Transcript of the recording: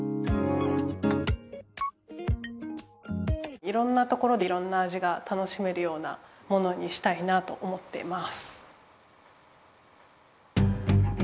いろんなところでいろんな味が楽しめるようなものにしたいなと思っています。